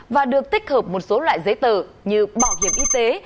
và được tích hợp một số loại giấy tờ như bảo hiểm y tế